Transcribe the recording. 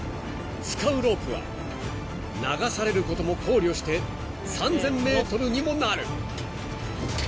［使うロープは流されることも考慮して３，０００ｍにもなる］